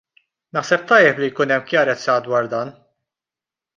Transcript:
Naħseb tajjeb li jkun hemm kjarezza dwar dan.